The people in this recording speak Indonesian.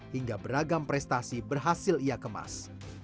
hingga beragam prestasi berhasil ia kemas